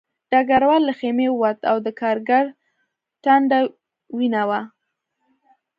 ډګروال له خیمې ووت او د کارګر ټنډه وینه وه